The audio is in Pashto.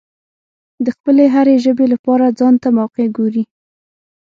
د خپلې هرې ژبې لپاره ځانته موقع ګوري.